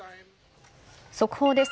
速報です。